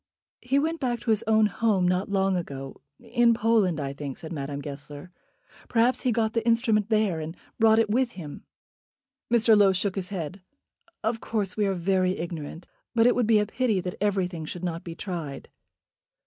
"He went back to his own home not long ago, in Poland, I think," said Madame Goesler. "Perhaps he got the instrument there, and brought it with him." Mr. Low shook his head. "Of course we are very ignorant; but it would be a pity that everything should not be tried."